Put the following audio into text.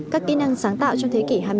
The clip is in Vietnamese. các kỹ năng sáng tạo trong thế kỷ hai mươi